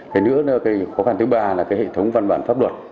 thế nữa cái khó khăn thứ ba là cái hệ thống văn bản pháp luật